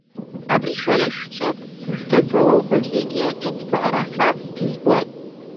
Абри шәара шәҿы сызҭагылақәоу зегьы ҿыцбараха избоит.